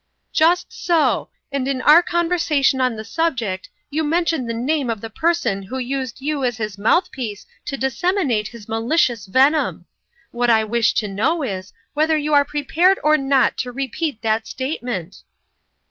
" Just so ; and in our conversation on the subject, you mentioned the name of the per son who used you as his mouthpiece to dis seminate his malicious venom. What I wish to know now is, whether you are prepared or not to repeat that statement